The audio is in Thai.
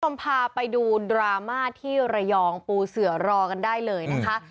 คุณผู้ชมพาไปดูดราม่าที่ระยองปูเสือรอกันได้เลยนะคะ